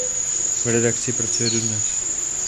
V redakci pracuje dodnes.